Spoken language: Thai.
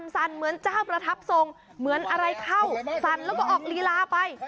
เหมือนเจ้าประทับทรงเหมือนอะไรเข้าสั่นแล้วก็ออกลีลาไป